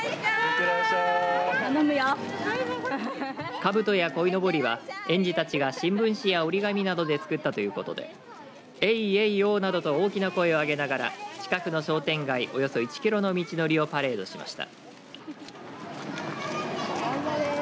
かぶとやこいのぼりは園児たちが新聞紙や折り紙などで作ったということでえいえいおーなどと大きな声を上げながら近くの商店街およそ１キロの道のりをパレードしました。